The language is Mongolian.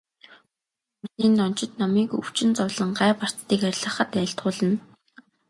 Жүгдэрнамжилын дончид номыг өвчин зовлон, гай барцдыг арилгахад айлтгуулна.